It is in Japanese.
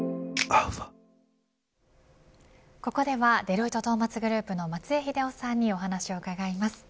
ここではデロイトトーマツグループの松江英夫さんにお話を伺います。